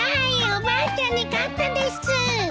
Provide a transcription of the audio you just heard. おばあちゃんに勝ったです！